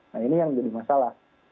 nah ini yang jadi masalah